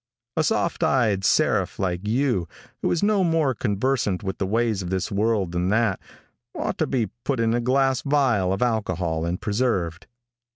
A soft eyed seraph like you, who is no more conversant with the ways of this world than that, ought to be put in a glass vial of alcohol and preserved.